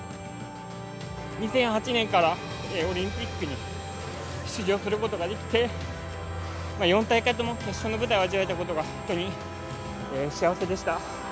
２００８年からオリンピックに出場することができて、４大会とも決勝の舞台を味わえたことが、本当に幸せでした。